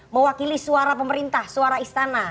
mewakili suara pemerintah suara istana